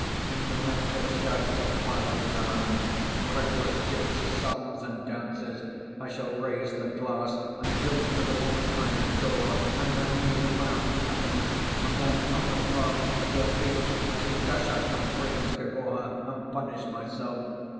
In the midst of shouts of wild merriment, reckless gypsy songs and dances I shall raise the glass and drink to the woman I adore and her new‐found happiness! And then, on the spot, at her feet, I shall dash out my brains before her and punish myself!